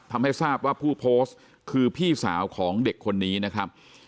ทำให้ทราบว่าผู้โพสต์คือพี่สาวของเด็กคนนี้นะครับ